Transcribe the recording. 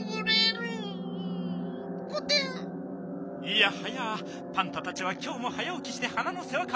いやはやパンタたちはきょうも早おきして花のせわか？